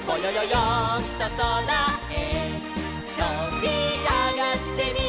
よんとそらへとびあがってみよう」